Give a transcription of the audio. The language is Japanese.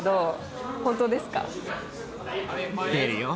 出るよ。